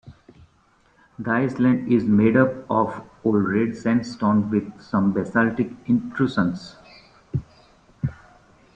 The island is made up of Old Red Sandstone with some basaltic intrusions.